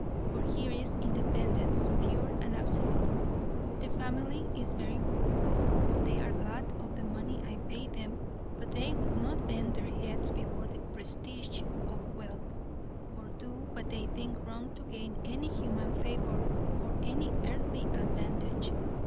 For here is independence, pure and absolute. The family is very poor; they are glad of the money I pay them; but they would not bend their heads before the prestige of wealth, or do what they think wrong to gain any human favour or any earthly advantage.